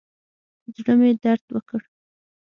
زړه مې درد وکړ.